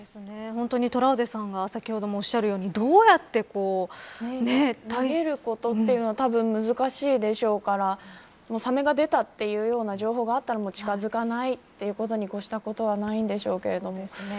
本当にトラウデンさんが先ほどもおっしゃるように逃げることはたぶん難しいでしょうからサメが出たというような情報があったら近づかないということに越したことはないですね。